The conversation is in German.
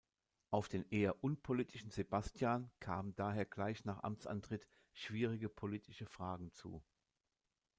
Auf den eher unpolitischen Sebastian kamen daher gleich nach Amtsantritt schwierige politische Fragen zu.